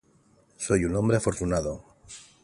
Soy un hombre afortunado.